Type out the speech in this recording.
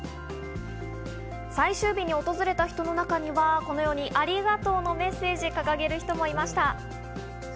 最終日に訪れた人の中にはこのように「ありがとう」のメッセージを掲げる人もいました。